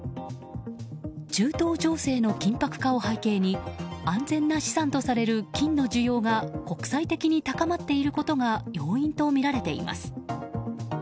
中東情勢の緊迫化を背景に安全な資産とされる金の需要が国際的に高まっていることが要因とみられています。